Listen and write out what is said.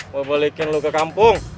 mau balikin lu ke kampung